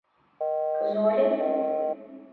Зорин.